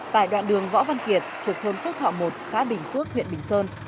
tại đoạn đường võ văn kiệt thuộc thôn phước thọ một xã bình phước huyện bình sơn